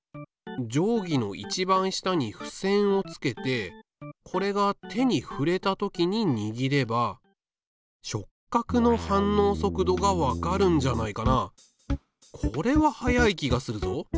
定規の一番下にふせんを付けてこれが手に触れた時ににぎれば触覚の反応速度がわかるんじゃないかなあ。